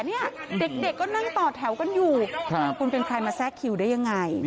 เด็กก็นั่งต่อแถวกันอยู่คุณเป็นใครมาทราบแซ่คิวได้ยังไง